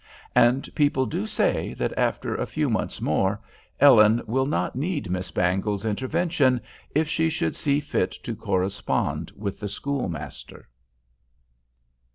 And people do say, that after a few months more, Ellen will not need Miss Bangle's intervention if she should see fit to correspond with the schoolmaster.